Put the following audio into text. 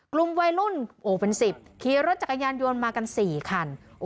กลุ่มวัยรุ่นเป็น๑๐ขี่รถจักรยานยนต์มากัน๔คัน